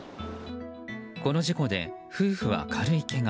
この事故で夫婦は軽いけが。